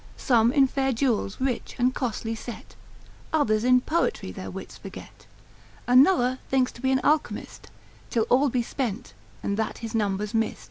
Some in fair jewels rich and costly set, Others in Poetry their wits forget. Another thinks to be an Alchemist, Till all be spent, and that his number's mist.